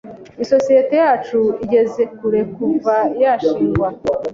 Isosiyete yacu igeze kure kuva yashingwa.